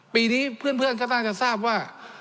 ปีนี้เพื่อนก็น่าจะทราบว่า